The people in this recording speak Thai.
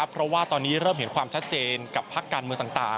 เพราะว่าตอนนี้เริ่มเห็นความชัดเจนกับพักการเมืองต่าง